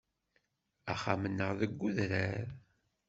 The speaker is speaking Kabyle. Axxam-nneɣ deg udrar.